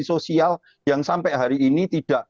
sosial yang sampai hari ini tidak